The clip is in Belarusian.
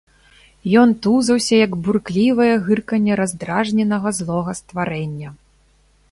Ён тузаўся, як бурклівае гырканне раздражненага злога стварэння.